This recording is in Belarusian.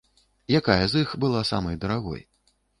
Якая з іх была самай дарагой?